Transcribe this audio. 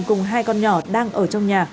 cùng hai con nhỏ đang ở trong nhà